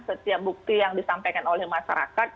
setiap bukti yang disampaikan oleh masyarakat